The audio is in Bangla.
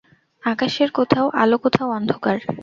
আকাশের কোথাও আলো কোথাও অন্ধকার।